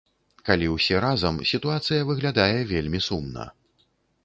Калі ўсе разам, сітуацыя выглядае вельмі сумна.